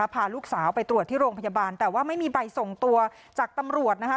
พาลูกสาวไปตรวจที่โรงพยาบาลแต่ว่าไม่มีใบส่งตัวจากตำรวจนะคะ